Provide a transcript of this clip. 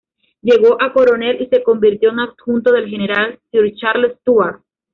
Llegó a coronel y se convirtió en adjunto del general Sir Charles Stuart.